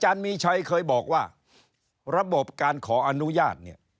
ระบบการขออนุญาตเนี่ย